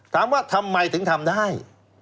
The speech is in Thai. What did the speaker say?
ถามว่าทำไมถึงทำได้